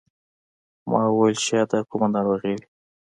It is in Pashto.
ما وویل چې شاید دا کومه ناروغي وي.